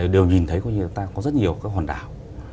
đều nhìn thấy chúng ta có rất nhiều hoàn đảo